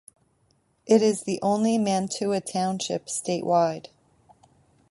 It is the only Mantua Township statewide.